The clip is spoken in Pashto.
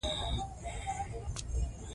د غذایي مکملونو کارول مایکروبونه متوازن ساتي.